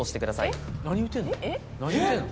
何言うてんの？